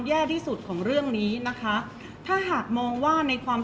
เพราะว่าสิ่งเหล่านี้มันเป็นสิ่งที่ไม่มีพยาน